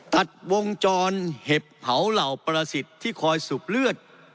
ตัดวงจรเห็บเผาเหล่าประสิทธิ์ที่คอยสูบเลือด